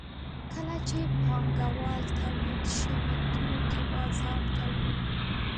کله چې پانګوال تولید شوي توکي بازار ته وړي